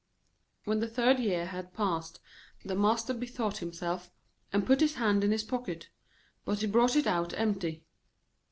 When the third year had passed, the Master bethought himself, and put his hand into his pocket, but he brought it out empty.